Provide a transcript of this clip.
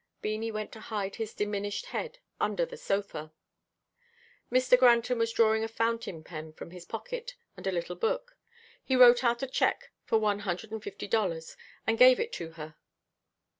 Beanie went to hide his diminished head under the sofa. Mr. Granton was drawing a fountain pen from his pocket, and a little book. He wrote out a cheque for one hundred and fifty dollars, and gave it to her.